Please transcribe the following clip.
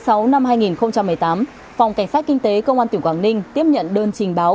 tháng sáu năm hai nghìn một mươi tám phòng cảnh sát kinh tế công an tiểu quảng ninh tiếp nhận đơn trình báo